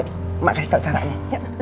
emak kasih tau caranya